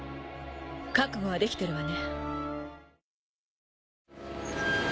覚悟はできてるわね？